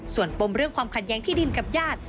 ส่วนปมเรื่องความขัดแย้งที่ดินกับญาติ